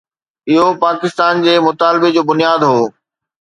اهو پاڪستان جي مطالبي جو بنياد هو.